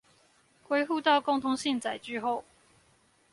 歸戶到共通性載具後